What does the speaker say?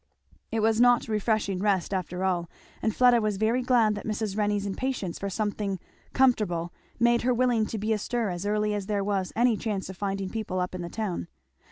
It was not refreshing rest after all, and Fleda was very glad that Mrs. Renney's impatience for something comfortable made her willing to be astir as early as there was any chance of finding people up in the town.